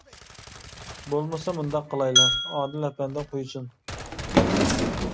بولمىسا مۇنداق قىلايلى، ئادىل ئەپەندى قۇيسۇن.